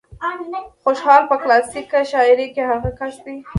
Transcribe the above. خوشال په کلاسيکه شاعرۍ کې هغه کس دى